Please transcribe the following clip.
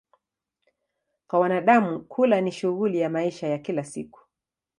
Kwa wanadamu, kula ni shughuli ya maisha ya kila siku.